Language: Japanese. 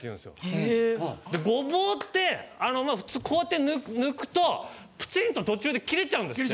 ・へえ・ゴボウって普通こうやって抜くとプチンと途中で切れちゃうんですって。